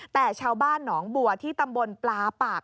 แต่ชาวบ้านหนองบัวที่ตำบลปลาปาก